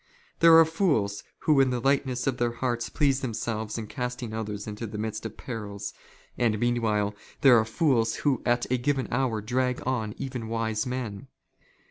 There are fools who in the lightness of " their hearts please themselves in casting others into the midst *' of perils, and, meanwhile, there are fools who at a given hour *•' drag on even wise men.